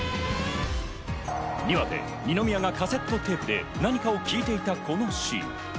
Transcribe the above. ２話で二宮がカセットテープで何かを聞いていたこのシーン。